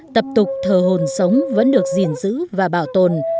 tập tục thờ hồn sống vẫn được gìn giữ và bảo tồn